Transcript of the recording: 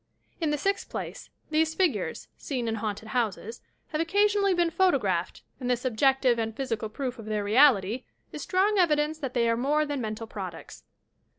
In tile sixth place, these figures, seen in haunted houses, have occasionally been photographed, and this objective and physical proof of their reality is strong evidence that they are more than mental products.